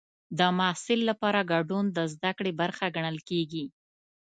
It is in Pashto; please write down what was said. د محصل لپاره ګډون د زده کړې برخه ګڼل کېږي.